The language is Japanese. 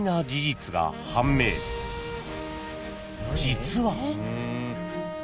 ［実は］